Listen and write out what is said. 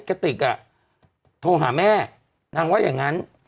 ก็รอเลยค่ะเราว่าก